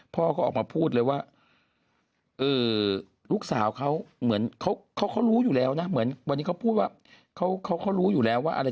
พ่อก็ออกมาพูดเลยว่าลูกสาวเขาเหมือนเขารู้อยู่แล้วนะเหมือนวันนี้เขาพูดว่าเขารู้อยู่แล้วว่าอะไร